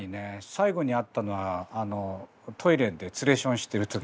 最後に会ったのはトイレで連れションしてる時。